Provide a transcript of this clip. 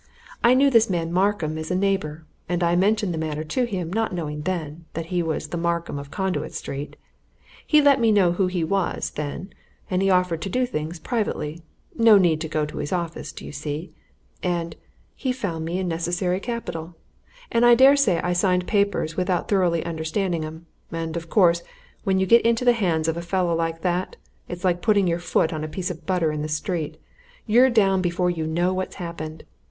I knew this man Markham as a neighbour, and I mentioned the matter to him, not knowing then he was the Markham of Conduit Street. He let me know who he was, then, and he offered to do things privately no need to go to his office, do you see? And he found me in necessary capital. And I dare say I signed papers without thoroughly understanding 'em. And, of course, when you get into the hands of a fellow like that, it's like putting your foot on a piece of butter in the street you're down before you know what's happened!